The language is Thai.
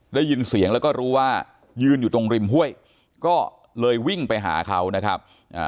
ได้ยินเสียงแล้วก็รู้ว่ายืนอยู่ตรงริมห้วยก็เลยวิ่งไปหาเขานะครับ